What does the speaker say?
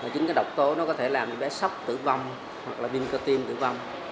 chính cái độc tố nó có thể làm bé sốc tử vong hoặc là viêm cơ tim tử vong